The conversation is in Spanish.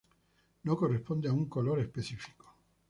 No corresponde a un color específico.